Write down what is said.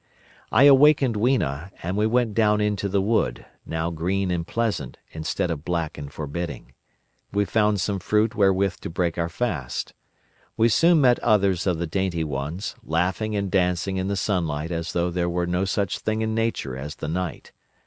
"I awakened Weena, and we went down into the wood, now green and pleasant instead of black and forbidding. We found some fruit wherewith to break our fast. We soon met others of the dainty ones, laughing and dancing in the sunlight as though there was no such thing in nature as the night.